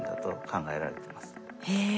へえ。